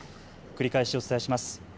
繰り返しお伝えします。